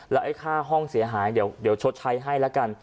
แล้วไอ้ค่าห้องเสียหายเดี๋ยวชดใช้ให้แล้วกัน